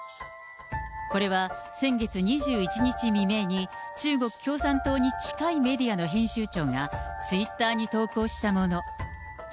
これは先月２１日未明に、中国共産党に近いメディアの編集長が、ツイッターに投稿したもの。